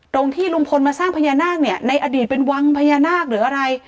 ตรงที่ลุงพลมาสร้างพญานาคเนี่ยในอดีตเป็นวังพญานาคหรืออะไร